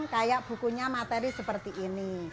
kayak bukunya materi seperti ini